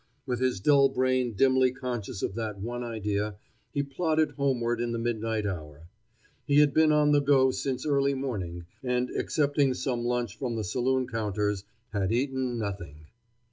With his dull brain dimly conscious of that one idea, he plodded homeward in the midnight hour. He had been on the go since early morning, and excepting some lunch from the saloon counters, had eaten nothing.